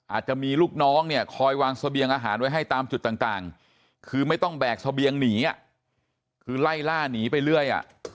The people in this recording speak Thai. อาจจะมีลูกน้องเนี่ยคอยวางเสบียงอาหารไว้ให้ตามจุดต่างคือไม่ต้องแบกเสบียงหนีคือไล่ล่าหนีไปเรื่อย